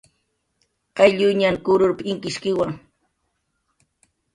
"Qaylluñan kururp"" inkishkiwa"